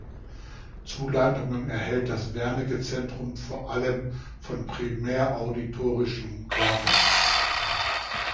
Zuleitungen erhält das Wernicke-Zentrum vor allem vom primär auditorischen Cortex.